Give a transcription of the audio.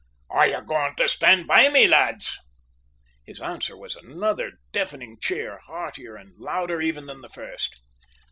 Are you going to stand by me, lads?" His answer was another deafening cheer, heartier and louder even than the first.